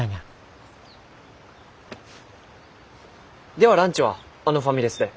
ではランチはあのファミレスで。